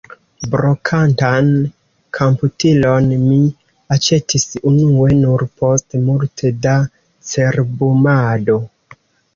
Brokantan komputilon mi aĉetis unue nur post multe da cerbumado.